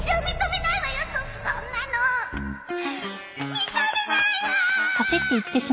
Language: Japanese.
認めないわー！